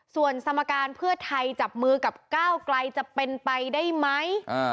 ส่วนสมการเพื่อไทยจับมือกับก้าวไกลจะเป็นไปได้ไหม